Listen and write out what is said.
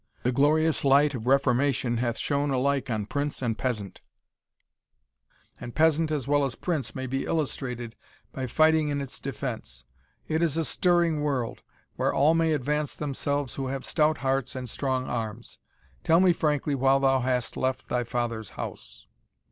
The glorious light of reformation hath shone alike on prince and peasant; and peasant as well as prince may be illustrated by fighting in its defence. It is a stirring world, where all may advance themselves who have stout hearts and strong arms. Tell me frankly why thou hast left thy father's house."